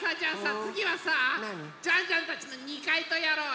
つぎはさジャンジャンたちの２かいとやろうよ。